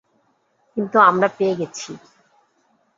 কিন্তু আমরা পেয়ে গেছি।